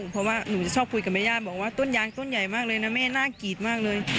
เพราะว่าหนูจะชอบคุยกับแม่ย่าบอกว่าต้นยางต้นใหญ่มากเลยนะแม่น่ากรีดมากเลย